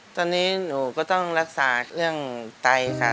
ตอนนี้หนูก็ต้องรักษาเรื่องไตค่ะ